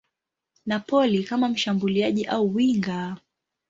Napoli kama mshambuliaji au winga.